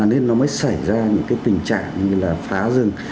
nên nó mới xảy ra những cái tình trạng như là phá rừng